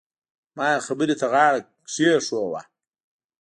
ما يې خبرې ته غاړه کېښووه.